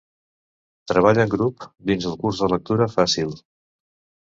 Treball en grup dins el curs de Lectura Fàcil.